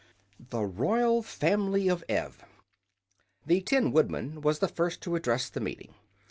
The Royal Family of Ev The Tin Woodman was the first to address the meeting.